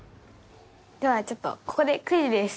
ではちょっとここでクイズです。